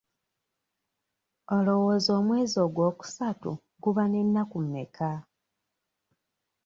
Olowooza omwezi ogwokusatu guba n'ennaku mmeka?